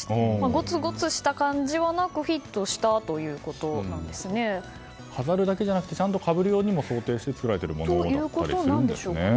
ごつごつした感じはなく飾るだけじゃなくてちゃんとかぶるようにも想定して作られているものだったりもということなんでしょうね。